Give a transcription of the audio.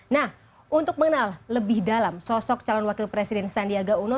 nah untuk mengenal lebih dalam sosok calon wakil presiden sandiaga uno